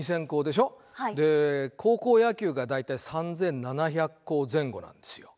で高校野球が大体３，７００校前後なんですよ。